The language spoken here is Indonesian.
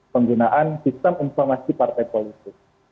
penggunaan sistem informasi partai politik